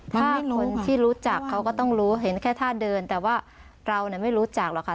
ถ้าคนที่รู้จักเขาก็ต้องรู้เห็นแค่ท่าเดินแต่ว่าเราไม่รู้จักหรอกค่ะ